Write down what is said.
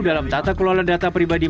dalam tata kelola data pribadi